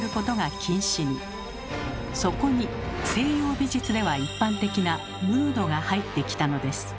そこに西洋美術では一般的な「ヌード」が入ってきたのです。